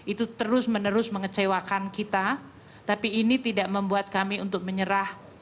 itu terus menerus mengecewakan kita tapi ini tidak membuat kami untuk menyerah